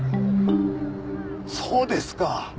そうですか。